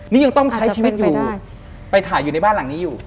นี่ยังต้องใช้ชีวิตอยู่ไปถ่ายอยู่ในบ้านหลังนี้อยู่